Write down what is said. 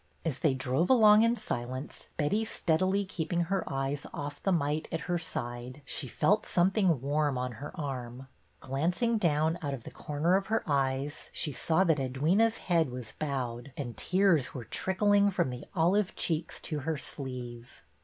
As they drove along in silence, Betty steadily keeping her eyes off the mite at her side, she felt something warm on her arm. Glancing down out of the corner of her eyes, she saw that Edwyna's head was bowed and tears were trickling from the olive cheeks to her sleeve.